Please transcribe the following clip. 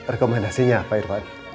rekomendasinya pak irfan